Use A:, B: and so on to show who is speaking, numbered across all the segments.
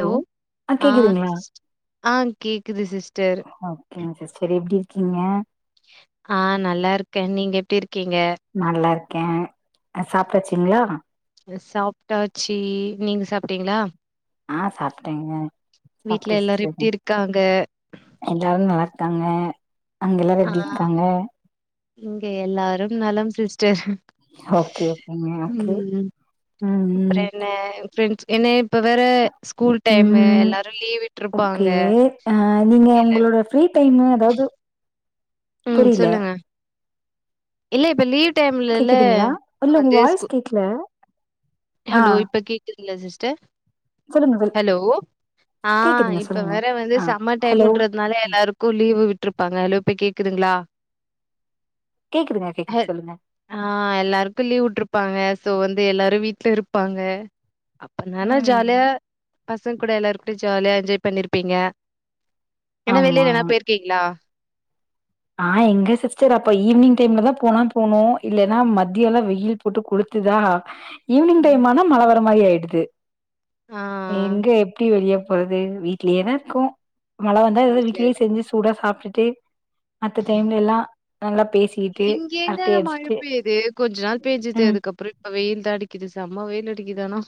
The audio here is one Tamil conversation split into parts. A: ஹலோ ஆ ஆ கேக்குது சிஸ்டர்
B: ஏ சிஸ்டர் எப்டி இருக்கீங்க
A: ஆ நல்லாருக்கேன் நீங்க எப்டிருக்கீங்க
B: நல்லாருக்க ஆ சாப்ட்டாச்சுங்களா
A: சாப்ட்டாச்சு நீங்க சாப்ட்டீங்ளா
B: ஆ சாப்ட்டேங்க சாப்ட்டே
A: வீட்ல எல்லாரு
B: சிஸ்டர்
A: எப்டி இருக்காங்க
B: எல்லாரு நல்லாருக்காங்க அங்க எல்லாரு
A: ஆ
B: எப்டி இருக்காங்க
A: இங்க எல்லாரும் நலம் சிஸ்டர்
B: ஓகே ஓகேங்க ஓகே ம்
A: அப்றொ
B: ம்
A: என்ன ஏ ஃப்ரெண்ட்ஸ் என்ன இப்ப வேற ஸ்கூல் டைமு
B: ம்
A: எல்லாரு லீவ் விட்ருப்பாங்க
B: ஓகே ஆ நீங்க
A: இல்ல
B: உங்களோட ஃப்ரீ டைமு அஎதாது
A: ம் சொல்லுங்க இல்ல இப்ப லீவ் டைம் இல்லேல
B: கேக்குதுங்களா இல்ல உங்க வாய்ஸ்
A: [unintelligible]
B: கேக்கல ஆ
A: ஹலோ இப்ப கேக்குதுங்ளா சிஸ்டர்
B: சொல்லுங்க சொல்
A: ஹலோ ஆ
B: கேக்குதுங்க
A: இப்ப
B: சொல்லுங்க
A: வேற வந்து
B: ஆ
A: சம்மர்
B: ஹலோ
A: டைம்ன்றது அதனால எல்லாருக்கு லீவு விட்ருப்பாங்க ஹலோ இப்போ கேக்குதுங்ளா
B: கேக்குதுங்க
A: ஹெ
B: கேக்குது சொல்லுங்க
A: ஆ எல்லாருக்கு லீவ் வுட்ருப்பாங்க சோ வந்து எல்லாரு வீட்ல இருப்பாங்க அப்பருந்தால
B: ம்
A: ஜாலியா பசங்க கூட எல்லாரு கூடயு ஜாலியா என்ஜாய் பண்ணிருப்பீங்க என்ன வெளில
B: ஆமா
A: எனா போயிருக்கீங்ளா
B: ஆ எங்க சிஸ்டர் அப்ப ஈவினிங் டைம்ல தா போனா போனு இல்லனா மதியொலா வெயில் போட்டு கொழுத்துதா ஈவினிங் டைம்
A: ம்.
B: ஆனா மழ வர மாரி ஆயிடுது
A: ஆ.
B: எங்க எப்டி வெளிய போறது வீட்லயேதா இருக்கோ மல வந்தா ஏதாது
A: வீட்ல
B: வீட்லயே
A: இல்ல.
B: செஞ்சு சூடா சாப்ட்டுட்டு மத்த டைம்ல லெல்லா நல்லா பேசி
A: இங்க எங்கங்க மழை பேய்து கொஞ்ச நாள் பேஞ்சுது
B: ம்
A: அதுக்கப்றோ இப்ப வெயில் தா அடிக்குது செம்ம வெயில் அடிக்குது ஆனா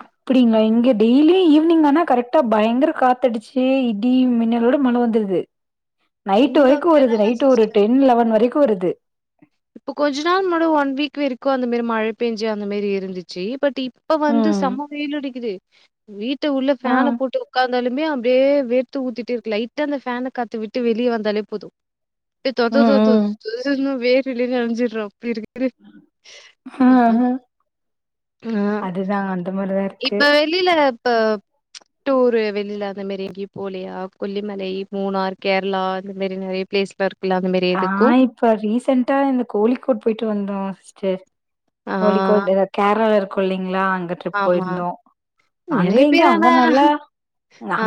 B: அப்டிங்களா இங்க டெய்லியு ஈவினிங் ஆனா கரெக்ட்டா பயங்கர காத்தடுச்சி இடி மின்னலோடு மல வந்துருது நைட்டு
A: இங்க
B: வரைக்கு
A: அப்படிலாம்
B: வருது
A: இல்ல
B: நைட்டு ஒரு
A: சிஸ்டர்.
B: ட்டென் லெவன் வரைக்கு வருது
A: இப்ப கொஞ்ச நாள் முன்னாடி ஒன் வீக் வெறக்கு அந்த மாரி மழ பேஞ்சு அந்த மேரி இருந்திச்சு பட் இ இப்ப வந்து
B: ம்
A: செம்ம வெயில் அடிக்குது வீட்ட உள்ள
B: ஆ
A: ஃபேன போட்டு உக்கா இருந்தாலுமே அப்டே வேர்த்து ஊத்திட்டு இருக்கு லைட்டா அந்த ஃபேன காத்து விட்டு வெளியே வந்தாலே போது தொத
B: ம்
A: தொதோ
B: ம்
A: தொதோனு வேர்வைல நெனஞ்சிடறோ அப்டி இருக்
B: ஆ
A: ஆ
B: அதுதா அந்த மாரிதா இருக்கு
A: வெளில இப்ப ப ட்டூரு வெளில அந்த மாரி எங்கியு போலியா கொல்லிமலை மூணார் கேரளா அந்த மாரி நெறைய பிளேஸ்ல இருக் இல அந்த மாரி
B: ஆ
A: எதுக்கு
B: இப்ப ரீசென்ட்டா இந்த கோழிக்கோட் போயிட்டு வந்தோ சிஸ்டர்
A: ஆ
B: கோழிக்கோடு கேரளால இரு கொள்ளிங்களா அங்க ட்ரிப்
A: ஆமா.
B: போயிருந்தோ அங்க
A: நெறைய
B: இங்க
A: பேர்
B: அங்க
A: ஆனா
B: நல்லா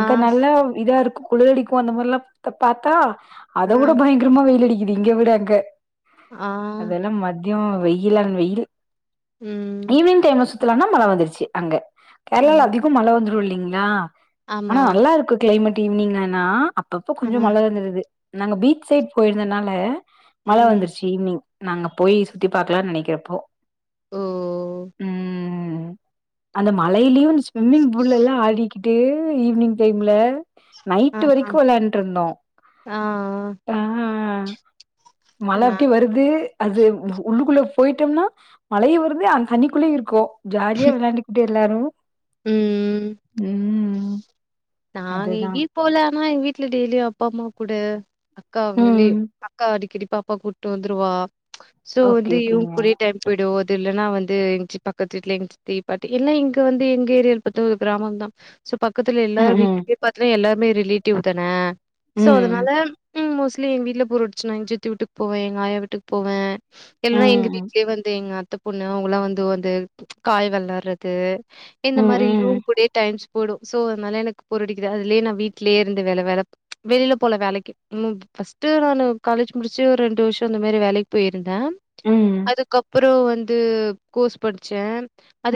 A: ஆ ஸ்
B: நல்லா இதா இருக்கு குளிரடிக்கு அந்த மாரில்லா பாத்தா அத
A: ஆ
B: விட பயங்கரமா வெயில் அடிக்குது இங்க விட அங்க
A: ஆ
B: அதென்னா மத்தியோ வெயிலான வெயில்
A: ம்
B: ஈவினிங் டைம்ல சுத்தலானா மழ வந்துருச்சு அங்க
A: ஆ
B: கேரளால அதிகோ மழ வந்துரு இல்லீங்களா
A: ஆமா.
B: ஆனா நல்லா இருக்கு கிளைமேட் ஈவினிங்கான்னா அப்பப்ப
A: ஆ
B: கொஞ்ச மல வந்துருது நாங்க பீச் சைட் போயிருந்தனால மழ
A: ம்.
B: வந்துருச்சு ஈவினிங் நாங்க போய் சுத்தி பாக்கலானு நெனைக்கிறப்போ
A: ஓ!
B: ம் அந்த மலையிலயு ஸ்விம்மிங் பூல்லெல்லா ஆடிக்கிட்டு ஈவி்னிங் டைம்ல
A: ஆ
B: நைட்டு வெரைக்கு விளையாண்ட்டு இருந்தோ
A: ஆ.
B: ம் ம் ம் மல
A: நா
B: அப்டே வரு து அது உள்ளுக்குள்ள போயிட்டோம்னா மலையு வருது அந் தண்ணிக்குளையு இருக்கோ ஜாலியா விளாண்டுக்கிட்டு எல்லாரு
A: ம். நாங்க
B: அதுதா
A: எங்கியு போல ஆனா எங்க வீட்ல டெய்லியு அப்பா அம்மா கூட அக்கா அவங்ளே
B: ம்
A: அக்கா அடிக்கடிப் பாப்பாவ கூட்டு வந்துருவா சோ
B: ஓகே
A: வந்து இவ்ங்
B: ஓகேங்க
A: கூடயே டைம் போய்டு அது இல்ன்னா வந்து எங்ச்சி பக்கத்து வீட்ல எங்சித்தி பாட்டி எல்லா இங்க வந்து எங்க ஏரியால பாத்தா ஒரு கிராமம் தா சோ பக்கத்துல எல்
B: ம் ம்
A: வீட்க்கே பாத்தன்னா எல்லாருமே ரிலேட்டிவ் தான சோ
B: ம்
A: அதனால ம் மோஷ் லி எங் வீட்ல போறடுச்சுனா எங் சித்தி வீட்டுக்கு போவே எங்க ஆயா வீட்டுக்கு போவே இல்லனா எங்க
B: ம்
A: வீட்டுலயே வந்து எங் அக் அத்த பொண்ணு அவுங்கல்லா வந்து வந்து காய் வெளாறது இந்த மாரியும்
B: ம்
A: இவ்ங் கூடையே டைம் போய்டும் சோ அதனால எனக்கு போர்டிக்காது அதுலயே நா வீட்லேயே இருந்துவேலவேல வெளியில போல வேலைக்கு ம் பர்ஸ்ட் நானு காலேஜ் முடிச்சு ஒரு ரெண்டு வருஷம் அந்த மாரி வேலைக் போயிருந்தே
B: ம்
A: அதுக்கப்புறம் வந்து கோர்ஸ் படிச்சேன்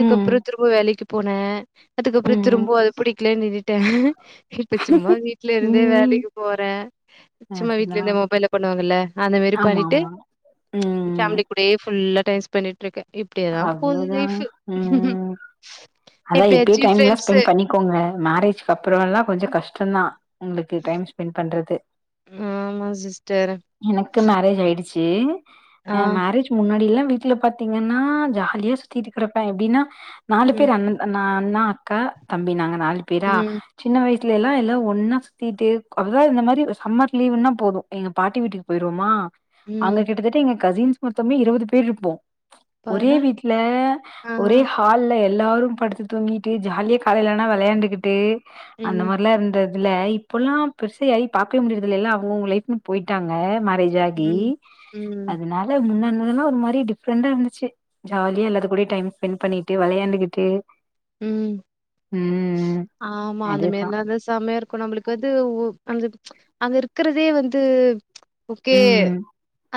B: ம்
A: திரும்ப வேலைக்கு போனே
B: ம்
A: அதுக்கப்புறம்
B: ம்
A: திரும்பவும் அதைபிடிக்கல நின் இப்ப சும்மா வீட்ல இருந்தே
B: ம்
A: வேலைக்கு போறேன் சும்மா வீட்ல
B: அதுதா
A: இருந்தே மொபைல்ல பண்ணுவாங்கல்ல அந்த மாரி
B: ஆமா
A: பண்ணிட்டு
B: ஆமா ம்
A: ஃபேம்லி கூடயே ஃபுல்லா டைம் ஸ்பெண் பண்ணிட்டு இருக்கே
B: அவ்ளவுதா உம் ம் அதா இப்பயே
A: எப்பயாச்சும்
B: டைம்லாம்
A: ஃப்ரெண்ட்ஸு
B: ஸ்பெண்ட் பண்ணி கோங்க மேரேஜ்க்கு அப்புறம் எல்லாம் கொஞ்ச கஷ்டம்தா உங்ளுக்கு டைம் ஸ்பெண்ட் பண்றது
A: ஆமா சிஸ்டர்
B: எனக்கு மேரேஜ் ஆயிடுச்சு அ மேரேஜ் முன்னாடிலா வீட்ல பாத்தீங்க நா ஜாலியா சுத்திகிட்டு கிடப்பேன் எப்டினா நாலு பேர் அண்ண நா அண்ணா அக்கா தம்பி நாங்க நாலு பேரா சின்ன வயசுல எல்லா எல்லாம் ஒண்ணா சுத்திட்டு கொர்ற இந்த மாரி சம்மர் லீவுனா போதும் எங்க பாட்டி வீட்டுக்கு போயிருவோமா அங்க
A: ம்.
B: கிட்டத்தட்ட எங்க கசின்ஸ் மொத்தமே இருவது பேரு இருப்போ ஒரே
A: பாரா
B: வீட்ல
A: ஆ,
B: ஒரே ஹா ஹால்ல எல்லாரும் படுத்து தூங்கிட்டு ஜாலியா காலையில ஆனா விளையாண்டுகிட்டு அந்த
A: ம்,
B: மாரிலாம் இருந்தது இல்ல இப்பெல்லாம் பெருசை ஆயி பாக்கவே முடியுறது இல்ல எல்லா அவுங்க அவுங்க லைஃப்னு போயிட்டாங்க மேரேஜ் ஜாகி
A: ம், ம்,
B: அதுனால முன்னன்ல்லா ஒரு மாரி டிஃப் ரெண்டா இருந்துச்சு ஜாலியா எல்லாத்து கூடயும் டைம் ஸ்பெண்ட் பண்ணிட்டு விளையாண்டுகிட்டு
A: ம் ஆமா அந்த
B: அதுதா
A: மாரிலா இருந்தா செமயா இருக் கு நம்புளுக்கு வந்து உ அந்த அங்க இருக்குறதே வந்து ஓகே
B: ம்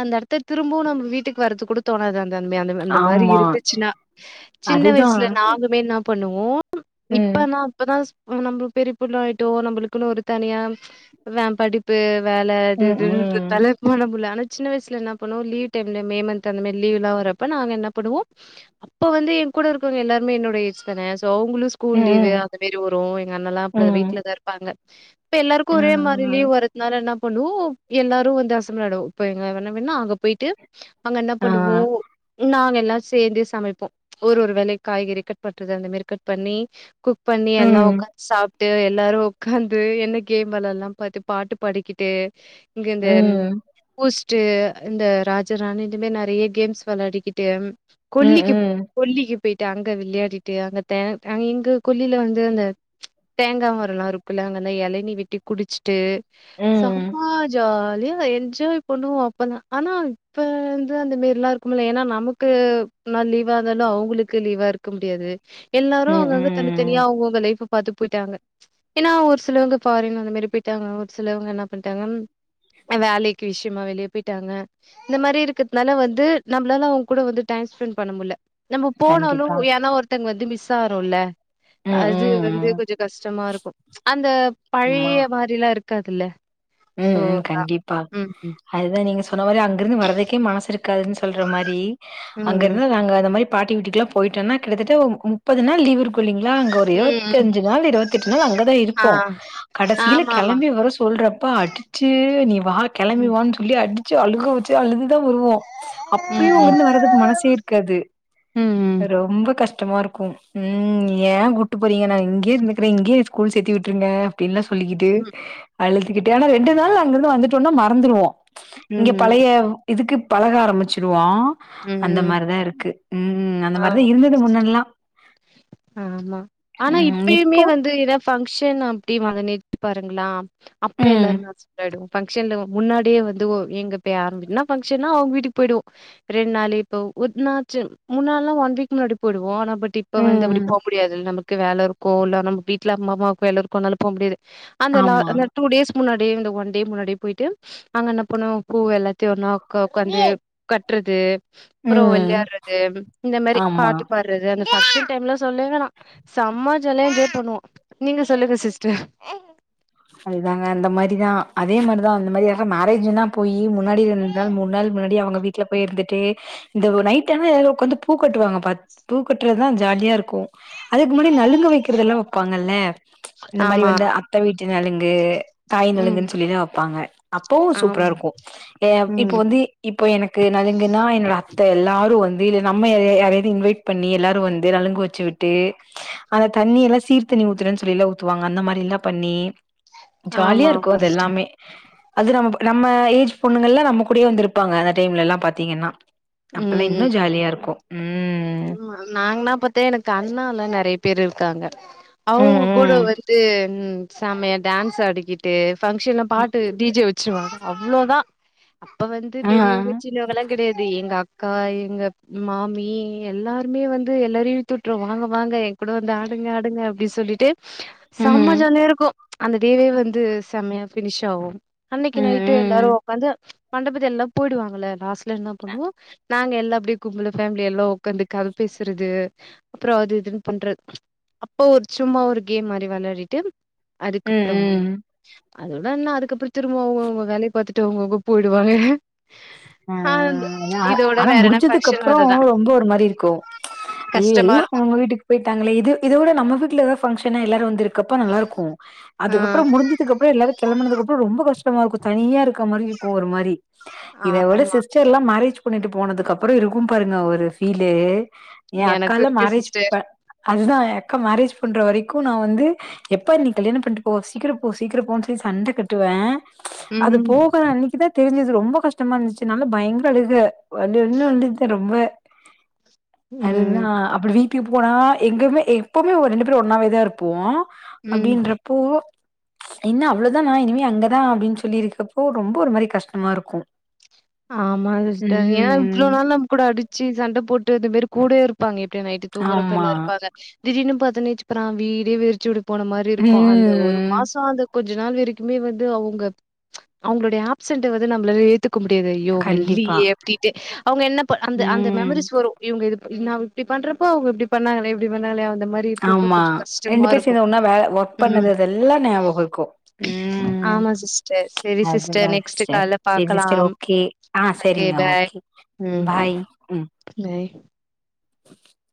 A: அந்த இடத்துக்கு திரும்பவும் நம்ம வீட்டுக்கு வர்றது கூட தோணாது இந்த மா அந்த மாரி
B: ஆமா
A: இருந்துச்சுன்னா சின்ன
B: அதுதா
A: வயசுல நாங்களுமே என்னா பண்ணுவோ
B: ம்
A: இப்பனா இப்பதான் நம்ம பெரியப்புள்ள ஆயிட்டோ நம்புளுக்குனு ஒரு தனியா வேம்படி பு வேல அது
B: ம்
A: இது
B: ம்
A: இதுன்றதாலே மனபுல ஆனா சின்ன வயசுல என்ன பண்ணுவோம் லீவ் டைம்ல மே மந்த் அந்த மாரி லீவ்லா வரப்ப நாங்க என்ன பண்ணுவோம் அப்ப வந்து என் கூட இருக்குறவங்க எல்லாரும என்னோட ஏஜ் தானே சோ அவுங்குளு ஸ்கூல்
B: ம்
A: லீவு
B: ம்
A: அந்த மாரி வரும் எங்க அண்ணலாம் அப்டி
B: ம்
A: வீட்லதான் இருப்பாங்க இப்ப
B: ஆ
A: எல்லாருக்கும் ஒரே மாரி லீவ் வரதுனால என்ன பண்ணுவோம் எல்லாரும் வந்து அசம்பள்‌ ஆய்டுவோம் இப்ப எங்க அண்ண வேனா அங்க போயிட்டு அங்க என்ன
B: ஆ
A: பண்ணுவோ நாங்க எல்லா சேந்து சமைப்போம் ஒரு ஒரு வேலை காய்கறி கட் பண்றது அந்த மாரி கட் பண்ணி குக் பண்ணி எல்லா
B: ம்
A: உக்காந் சாப்ட்டு எல்லாரும் உக்காந்து என்ன கேம் விளையாடலாம் பத்து பாட்டு பாடிக்கிட்டு இங்க இந்த
B: ம்
A: பூஸ் டு இந்த ராஜராணி இதுமாரி நறையா கேம்ஸ் விளையாடிக்கிட்டு
B: ம்
A: கொல்லிக்கி
B: ம்
A: கொல்லிக்கி போயிட்டு அங்க விளையாடிட்டு அங்க த அங்க இந்த குளில வந்து அந்த தேங்கா மரோலா இருக்குல்ல அங்க அந்த. இளநி வெட்டி குடிச்சிட்டு
B: ம்
A: செம ஜாலியா என்ஜாய் பண்ணுவோம் அப்பதான் ஆனா இப்ப வந்து அந்த மாரிலாம் இருக்கும்ல ஏன்னா நமக்கு நா லீவா இருந்தாலு அவுங்களுக்கு லீவா இருக்க முடியாது எல்லாரு
B: ம்
A: அவுங்க‌‌ அவுங்க
B: ம்
A: தனித்தனியா அவுங்க அவுங்க லைஃப்பப் பாத்து போயிட்டாங்க ஏனா ஒரு சிலவங்க ஃபாரின் அந்த மாரி போயிட்டாங்க ஒரு சிலவங்க என்ன பண்ட்டாங்க வேலைக்கி விஷ்யமா வெளியே போயிட்டாங்க இந்த மாரி இருக்குறதுனால வந்து நம்பளால அவுங்க கூட வந்து டைம் ஸ்பெண்ட் பண்ண முடில நம்ப போனாலு
B: கண்டிப்பா
A: யார்னா ஒருத்தங்க வந்து மிஸ் ஆகுறோல
B: ம்
A: அது
B: ம்
A: வந்து
B: ம்
A: கொஞ்சோ கஷ்டமா இருக்கு அந்த
B: ஆமா
A: பழைய மாரிலா இருக்காதுல
B: ம் ம் கண்டிப்பா அதுதா நீங்க சொன்ன மாரி அங்க இருந்து வரதுக்கே மனசு இருக்காதுனு சொல்ற மாரி அங்க
A: ம்
B: இருந்து நாங்க அந்த மாரி பாட்டி வீட்டுக்கெல்லா போயிட்டோன்னா கிட்டத்தட்ட முப்பது நாள் லீவு இருக் கோ இல்லீங்களா அங்க ஒரே ஒரு
A: ம்
B: இருவத்தஞ்சு நாள் இருவத்தெட்டு நாள் அங்கதா
A: ஆ
B: இருப்போ கடைசில
A: ஆமா ஆமா
B: கிளம்பி வர சொல்றப்ப அடிச்சு நீ வா
A: ம்
B: கெளம்பிவானு சொல்லி அடிச் சு அழுக வச்சு அழுதுதா வருவோ அப்பயு
A: ம்
B: அங்க இருந்து வர்றதுக்கு மனசே இருக்காது
A: ம்
B: ரொம்ப கஷ்டமா இருக்கு ம் ஏ கூட்டு போறீங்க நா இங்கேயே இருந்துக்கிறே இங்கேயே ஸ்கூல் சேத்து விட்ருங்க அப்டிலா சொல்லிக்கிட்டு
A: ம்
B: அழுத்துக்கிட்டு ஆனா ரெண்டு நாள் அங்க இருந்து வந்துட்டோன்னா மறந்துருவோ இங்க
A: ம்
B: பழைய இதுக்கு பழக ஆரம்மிச்சிருவோ
A: ம்
B: அந்த
A: ம்
B: மாறிதா இருக்கு ம் அந்த
A: ஆ
B: மாறிதா இருந்தது முன்னல்லா
A: ஆமா ஆனா
B: ம்
A: இப்பயுமே
B: இப்போ
A: வந்து இத ஃபங்க்ஷன் அப்டி வந்து நெட்டு பாருங்ளா அப்ப
B: ம்
A: எல்லாருமே அப்சென்ட் ஆயிடுவோ ஃபங்க்ஷன்ல முன்னாடியே வந்துவோ எங்கப்ப யாரும்னா ஃபங்க்ஷன்னா அவுங்க வீட்டுக்கு போயிடுவோ ரெண்ட் நாளு இப்ப உன்னாச்சு முன்னால்லா ஒன் வீக் முன்னாடி போயிடுவோ ஆனா பட் இப்ப வந்து
B: ம்
A: அப்டி போ முடியாது நமக்கு வேல இருக்கு இல்ல நம் வீட்ல அம்மா அமாக்கு வேல இருக்கு அனால போ முடியாது அந்த லா
B: ஆமா
A: அந்த டூ டேஸ் முன்னாடி இந்த ஒன் டே முன்னாடி போயிட்டு அங்க என்ன பண்ணுவோ பூ எல்லாத்தயு ஒன்னா உ உட்காந்து கட்றது அப்புறோ
B: ம்
A: வெள்யாடறது இந்த மாரி
B: ஆமா
A: பாட்டு பாட்றது அந்த [unintelligible] டைம்ல சொல்லுங்க நா செம்ம ஜால என்ஜாய் பண்ணுவோ நீங்க சொல்லுங்க சிஸ்டர்
B: அதுதாங்க அந்தமாரிதா அதே மாரிதா அந்த மாரி மேரேஜீனா போய் முன்னாடி நாள் மூண் நாள் முன்னாடி அவுங்க வீட்ல போய் இருந்துட்டு இந்த ஓ‌ நைட் ஆன எல்லாரு உக்காந்து பூ கட்டுவாங்க பா பூ கட்ற்த்தா ஜாலியா இருக்கு அதுக்கு முன்னாடி நலுங்கு வெக்கிறதெல்லா வெப்பாங்கல்ல இந்த மாரி
A: ஆமா
B: வந்து அத்த வீட் ச்ச நலுங்கு தாய்
A: ம்
B: நலங்குன் சொல்லிதா வெப்பாங்க அப்போ சூப்ரா
A: ஆமா
B: இருக்கு ஏ அப் இப்போ
A: ம்
B: வந்து இப்ப எனக்கு நலுங்குன்னா என்னோட அத்த எல்லாரு வந் வேறு நம்ம யார யார்வாது இன்வைட் பண்ணி எல்லாரு வந்து நலுங்கு வெச்சு விட்டு அந்த தண்ணி எல்லா சீர்தண்ணி ஊத்தறன்னு சொல்லில்லா ஊத்துவாங்க அந்த மாரில்லா பண்ணி ஜாலியா
A: ஆமா
B: இருக்கு
A: ஆமா
B: அதெல்லாமே அது நம்ம ம நம்ம ஏஜ் பொண்ணுங்கல்லா நம்ம கூடயே வந்து இருப்பாங்க அந்த டைம்லெல்லா பாத்தீங்கன்னா அப்பல்லா இன்னு ஜாலியா இருக்கு ம்
A: நாங்னா பத்தே எனக்கு அண்ணாலா நெறைய பேர் இருக்காங்க
B: ம்
A: அவுங்க கூட
B: ம்
A: வந்து ம் செமைய டேன்ஸ் ஆடிக்கிட் ட்டு ஃபங்க்ஷன்ல
B: ம்.
A: பாட்டு டிஜே வெச்சுருவாங்க அவ்ளோதா அப்ப வந்து
B: ஆ
A: பெரிய்வுங்க சின்னவுங்கல்லா கெடையாது எங்க அக்கா எங்க மாமி எல்லாருமே வந்து எல்லாரையு இழுத்துட்ரு வாங்க வாங்க எ கூட வந்து ஆடுங்க ஆடுங்க அப்டி சொல்லிட்டு
B: ம்
A: செம்ம
B: ம்
A: ஜாலியா இருக்கு அந்த டேவே வந்து செமையா ஃபினிஷ் ஆவும் அன்னிக்கு நைட்டு எல்லாரு
B: ம்
A: உக்காந்து மண்டபத்தில் எல்லா போயிடுவாங்கல லாஸ்ட்ல என்ன பண்ணுவோ நாங்க எல்லாப் அப்டி கும்பலு ஃபேமிலி எல்லா ஒக் உக்காந்து கத பேசறது அப்றோ அது இதுன் பண்ற அப்போ ஒரு சும்மா ஒரு கேம் மாரி வெளாடிட்டு
B: ம்
A: அதுக்கப்பற
B: ம்
A: அதோட என்ன அதுக்கப்பறோ திரும்ப அவுங்க அவுங்க வேலைய பாத்துட்டு அவுங்கவுங்க போயிடுவாங்க
B: ஆ ஆ
A: இதோட
B: ஆனா
A: வேற என்ன
B: முடுஞ்சதுக்கு
A: ஃபங்க்ஷன்
B: அப்பறோ
A: அதுதா
B: ரொம்ப ஒரு மாரி இருக்கு ஐயோ
A: கஷ்டமா
B: எல்லா
A: இருக்கு
B: அவுங்க வீட்டுக் போயிட்டாங்களே இது இதோட நம்ம வீட்ல எதாது ஃபங்க்ஷன்னா எல்லாரு வந்துருக்கப்ப நல்லாருக்கு
A: ஆ
B: அதுக்கப்பறோ முடிஞ்சு இதுக்கப்பறோ எல்லாரு கெளம்புனது அப்பறோ ரொம்ப கஷ்டமா இருக்கு தனியா இருக்க மாரி இருக்கு ஒரு மாரி இத விட
A: ஆமா
B: சிஸ்டர்ல்லா மேரேஜ் பண்ணிட்டு போனதுக்கப்பறோ இருக்கு பாருங்க ஒரு ஃபீலு எ
A: எனக்கு
B: அக்கால
A: இருக்கு
B: மேரேஜ்
A: சிஸ்டர்
B: ப அதுதா எ அக்கா மேரேஜ் பண்ற வரைக்கு நா வந்து எப்போ நீ கல்யாண பண்ணிட்டு போவ சீக்கிரம்போ சீக்கிரம்போன்னு சொல்லி சண்ட கட்டுவே அது
A: ம்
B: போகுற அன்னைக்கி தா தெரிஞ்சுது ரொம்ப கஷ் கஷ்டமா இருந்துச்சுனால பயங்கர அழுக வந்து வந்து அழுதுட்ருந்தே ரொம்ப அதுதா
A: ம்
B: அப்டி வீட்டுக்கு போனா எங்கமே எப்போமே ரெண்டு பேரு ஒண்ணாவேதா இருப்போ
A: ம்
B: அப்டின்றப்போ என்ன அவ்ளோதானா இனிமே அங்கதா அப்டின்னு சொல்லிருக்கப்போ ரொம்ப ஒரு மாரி கஷ்டமா இருக்கு
A: ஆமா
B: ம்
A: சிஸ்டர் ஏனா இவ்ளோ
B: ம்
A: நாள் நம்ம கூட அடுச்சு சண்ட போட்டு அது மாரி கூடயே இருப் இருப்பாங்க எப்டியோ நைட்டு தூங்கறப்ப எல்லா
B: ஆமா
A: இருப்பாங்க திடீனு பாத்தோன்னே சுப்பறா வீடே விருச்சோடு போன மாரி இருக்கு அந்த ஒரு
B: ம்.
A: மாசோ அந்த கொஞ்சோ நாள் வரைக்குமே வந்து அவுங்க அவங்களுடைய ஆப்செண்ட வந்து நம்மளால ஏத்துக்க மு டியலையோ அங்க
B: கண்டிப்பா.
A: இல்லையே அப்டிட்டு அவுங்க என்ன அந்த அந்த
B: ம்.
A: மெமரிஸ் வரு இவுங்க இது நா இப்டி பண்றப்போ அவுங்க இப்டி பண்ணாங்களே இப்டி பண்ணாங்களே அந்த மாரி இருக்கிறப்போ
B: ஆமா
A: கொஞ்சம்
B: ரெண்டு
A: கஷ்டமா
B: பேர்
A: இருக்கும்.
B: சேந்து ஒன்னா வேல ஒர்க் பண்ணது
A: ம்.
B: இதெல்லா ஞாபகோ இருக்கு ம்
A: ஆமா சிஸ்டர். சரி சிஸ்டர்
B: அதுதா
A: நெக்ஸ்ட்
B: சிஸ்டர்
A: கால்ல
B: சேரி சிஸ்டர்
A: பாக்கலாம்.
B: ஓக்கே ஆ செரிங்க ஓகே
A: ம்.
B: பாய் ம்
A: பாய்